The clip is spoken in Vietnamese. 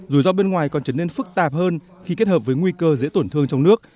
rủi ro bên ngoài còn trở nên phức tạp hơn khi kết hợp với nguy cơ dễ tổn thương trong nước